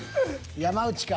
山内か。